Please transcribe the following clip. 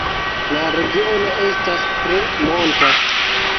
La regiono estas tre monta.